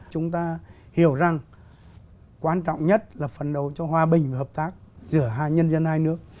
chúng ta hiểu rằng quan trọng nhất là phần đầu cho hòa bình và hợp tác giữa hai nhân dân hai nước